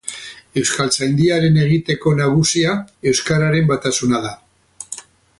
Euskaltzaindiaren egiteko nagusia euskararen batasuna da.